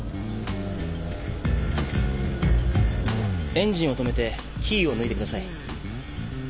エンジンを止めてキーを抜いてください。